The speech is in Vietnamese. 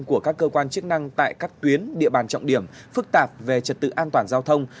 của các cơ quan chức năng tại các tuyến địa bàn trọng điểm phức tạp về trật tự an toàn giao thông